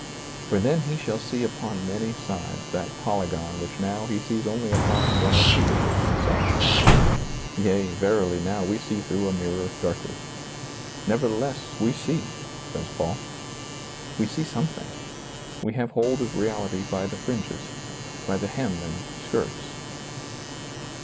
For then he shall see upon many sides that polygon which now he sees only upon one or two of its sides. Yea, verily now we see through a mirror darkly. Nevertheless we see, says Paul. We see some thing, we have hold of reality by the fringes, by the hem and skirts.